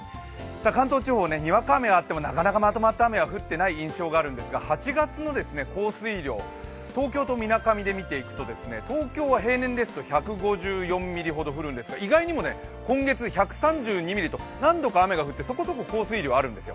関東地方、にわか雨があっても、なかなかまとまった雨が降っていない印象があるんですけど８月の降水量、東京とみなかみで見ていくと、東京は平年ですと１５４ミリほど降るんですが意外にも今月１３２ミリと何度か雨が降ってそこそこ降水量はあるんです。